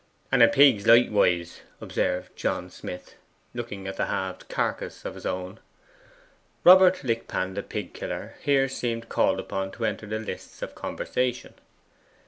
'And in pigs likewise,' observed John Smith, looking at the halved carcass of his own. Robert Lickpan, the pig killer, here seemed called upon to enter the lists of conversation.